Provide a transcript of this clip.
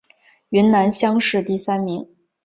云南乡试第三名。